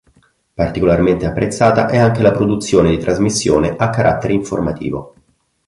Particolarmente apprezzata è anche la produzione di trasmissione a carattere informativo.